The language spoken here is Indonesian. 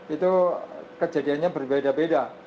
itu kejadiannya berbeda beda